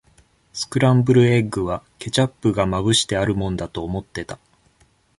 スクランブルエッグは、ケチャップがまぶしてあるもんだと思ってた。